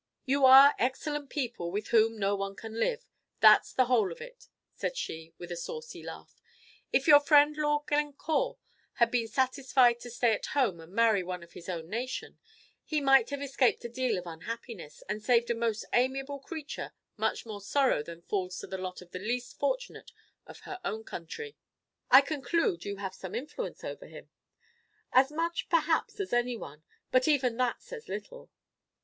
"You are excellent people, with whom no one can live, that's the whole of it," said she, with a saucy laugh. "If your friend Lord Glencore had been satisfied to stay at home and marry one of his own nation, he might have escaped a deal of unhappiness, and saved a most amiable creature much more sorrow than falls to the lot of the least fortunate of her own country. I conclude you have some influence over him?" "As much, perhaps, as any one; but even that says little."